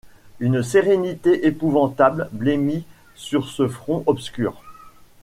Une sérénité épouvantable blêmit sur ce front obscur.